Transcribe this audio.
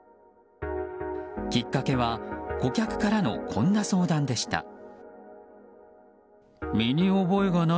きっかけは顧客からのこんな相談でした。